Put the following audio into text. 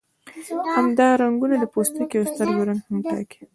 همدا رنګونه د پوستکي او سترګو رنګ هم ټاکي.